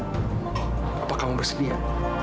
apakah kamu bersedia